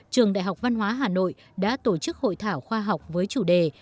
trường đại học văn hóa hà nội đã tổ chức hội thảo khoa học với chủ đề